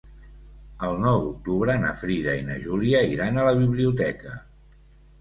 El nou d'octubre na Frida i na Júlia iran a la biblioteca.